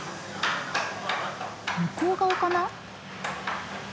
向こう側かな？